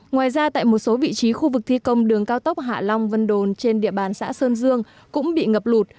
ngoài ra tại một số vị trí khu vực thi công đường cao tốc hạ long vân đồn trên địa bàn xã sơn dương cũng bị ngập lụt